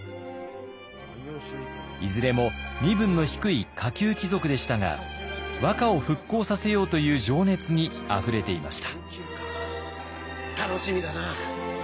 いずれも身分の低い下級貴族でしたが和歌を復興させようという情熱にあふれていました。